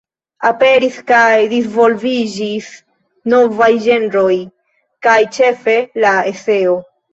Aperis kaj disvolviĝis novaj ĝenroj kaj ĉefe la eseo.